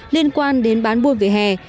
liên quan đến bán buôn vỉa hè